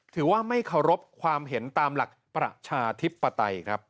ถือว่าไม่เคารพความเห็นตามหลักประชาธิปไตยครับ